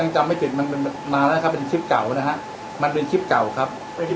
จำไม่จืดมันมาเป็นคลิปเก่านะครับ